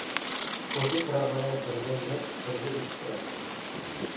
كوچا چىراغلىرى بىردە يېنىپ، بىردە ئۆچۈپ تۇراتتى.